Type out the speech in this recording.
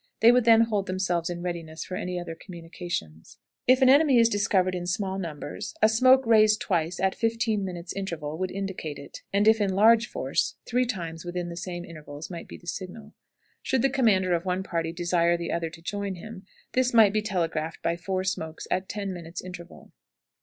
They would then hold themselves in readiness for any other communications. If an enemy is discovered in small numbers, a smoke raised twice at fifteen minutes' interval would indicate it; and if in large force, three times with the same intervals might be the signal. Should the commander of one party desire the other to join him, this might be telegraphed by four smokes at ten minutes' interval.